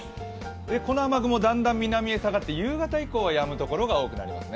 この雨雲、だんだん南へ下がって、夕方以降はやむところが多くなりますね。